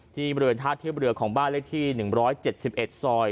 ที่บริเวณท่าเที่ยวบริเวณของบ้านเลขที่๑๗๑ซอย